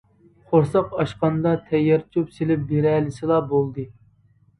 قورساق ئاچقاندا تەييار چۆپ سېلىپ بېرەلىسىلا بولدى.